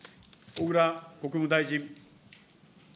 小倉国務大臣。